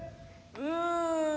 「うん」。